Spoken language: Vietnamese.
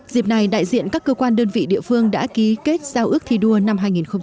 dịp này đại diện các cơ quan đơn vị địa phương đã ký kết giao ước thi đua năm hai nghìn một mươi chín